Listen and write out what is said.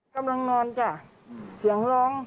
กำลังนอนจ้ะเสียงร้อง